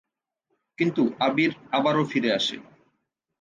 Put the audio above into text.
কিন্তু "আবির" আবারও ফিরে আসে।